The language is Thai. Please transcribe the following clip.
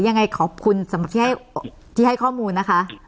ยังไงขอบคุณสำหรับที่ให้ข้อมูลนะคะ